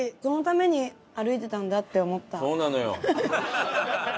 そうなのよ。